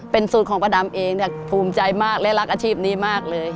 เป็นสูตรของป้าดำเองเนี่ยภูมิใจมากและรักอาชีพนี้มากเลย